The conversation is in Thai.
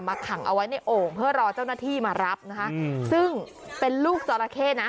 ขังเอาไว้ในโอ่งเพื่อรอเจ้าหน้าที่มารับนะคะซึ่งเป็นลูกจราเข้นะ